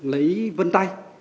lấy vân tay